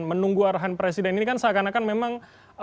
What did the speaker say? menunggu arahan presiden ini kan seakan akan memang